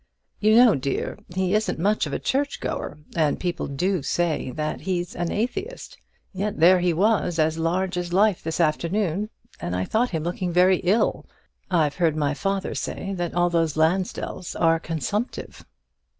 "You know, dear, he isn't much of a church goer, and people do say that he's an atheist; yet there he was as large as life this afternoon, and I thought him looking very ill. I've heard my father say that all those Lansdells are consumptive."